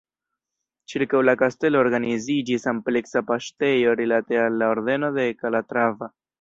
Ĉirkaŭ la kastelo organiziĝis ampleksa paŝtejo rilate al la Ordeno de Kalatrava.